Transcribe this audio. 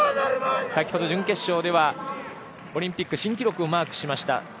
先ほど準決勝ではオリンピック新記録をマークしました。